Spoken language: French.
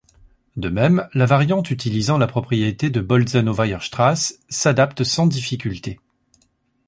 De même, la variante utilisant la propriété de Bolzano-Weierstrass s'adapte sans difficulté.